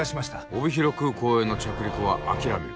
帯広空港への着陸は諦める。